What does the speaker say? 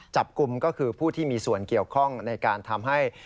จับกลุ่มก็คือผู้ที่มีส่วนเกี่ยวข้องในการทำให้